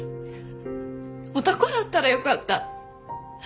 男だったらよかった。